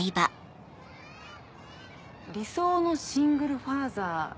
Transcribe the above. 「理想のシングルファーザー」なんて。